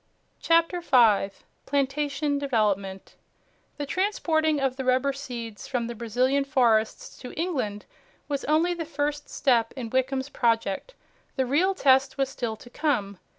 CHAPTER 5 PLANTATION DEVELOPMENT The transporting of the rubber seeds from the Brazilian forests to England was only the first step in Wickham's project. The real test was still to come.